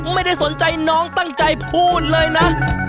ไม่ได้สนใจน้องตั้งใจพูดเลยนะ